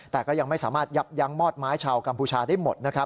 แต่ก็ยังไม่สามารถยับยั้งมอดไม้ชาวกัมพูชาได้หมดนะครับ